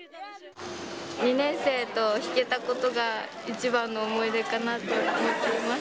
２年生と弾けたことが、一番の思い出かなと思っています。